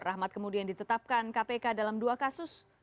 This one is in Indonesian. rahmat kemudian ditetapkan kpk dalam dua kasus